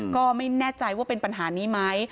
ก็ไม่แน่ใจว่าเป็นปัญหานี้ไหม